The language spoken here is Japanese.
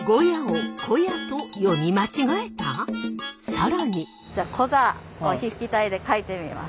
更に。